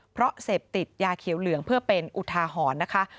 เพราะเสพติดยาเขียวเหลืองเพื่อเป็นอุทาหรณ์นะคะ